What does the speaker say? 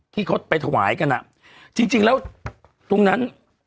ที่เขาไปถวายกันอ่ะจริงแล้วตรงนั้น